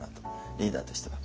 リーダーとしては。